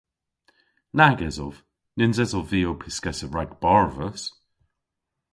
Nag esov. Nyns esov vy ow pyskessa rag barvus.